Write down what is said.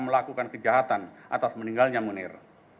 melakukan kejahatan atas meninggalnya munir